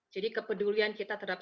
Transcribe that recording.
jadi kepedulian kita terhadap